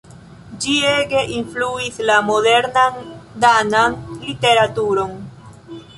Ĝi ege influis la modernan danan literaturon.